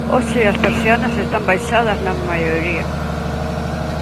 Hoxe, as persianas están baixadas na maioría.